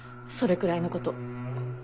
それくらいのこと。